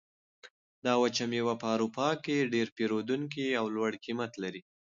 دا وچه مېوه په اروپا کې ډېر پېرودونکي او لوړ قیمت لري.